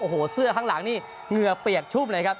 โอ้โหเสื้อข้างหลังนี่เหงื่อเปียกชุ่มเลยครับ